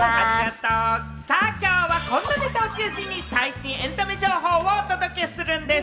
きょうはこんなネタを中心に最新エンタメ情報をお届けするんです。